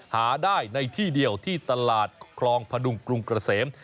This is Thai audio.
หาได้ในที่เดียวที่ตลาดคลองพดุงกรุงเกษม